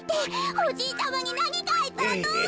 おじいちゃまになにかあったらどうするの！？